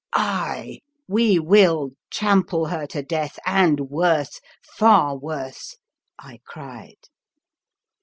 " Aye, we will trample her to death, and worse, far worse!" I cried.